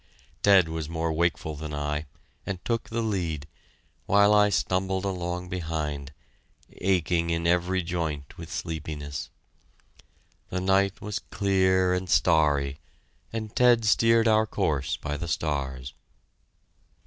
Ted was more wakeful than I, and took the lead, while I stumbled along behind, aching in every joint with sleepiness. The night was clear and starry, and Ted steered our course by the stars.